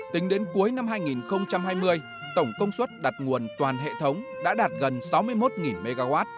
tính đến cuối năm hai nghìn hai mươi tổng công suất đặt nguồn toàn hệ thống đã đạt gần sáu mươi một mw